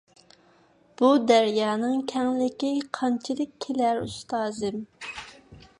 بۇ دەريانىڭ كەڭلىكى قانچىلىك كېلەر، ئۇستازىم؟